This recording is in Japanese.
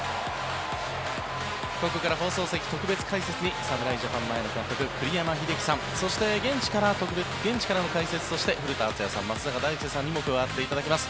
ここから放送席、特別解説に侍ジャパン前の監督、栗山英樹さんそして現地からの解説として古田敦也さん、松坂大輔さんにも加わっていただきます。